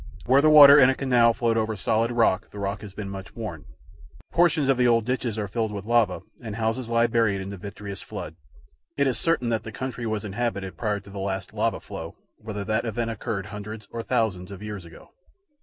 Where the water in a canal flowed over solid rock the rock has been much worn. Portions of the old ditches are filled with lava and houses lie buried in the vitreous flood. It is certain that the country was inhabited prior to the last lava flow whether that event occurred hundreds or thousands of years ago.